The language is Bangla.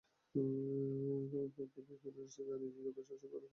তবে ফেনেরবাচে জানিয়েছে, যতটা আশঙ্কা করা হয়েছিল চোট ততটা গুরুতর নয়।